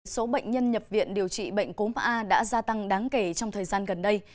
số bệnh nhân nhập viện điều trị bệnh cúm a đã gia tăng đáng kể trong thời gian gần đây